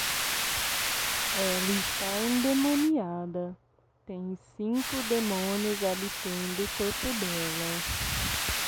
Ela está endemoniada, tem cinco demônios habitando o corpo dela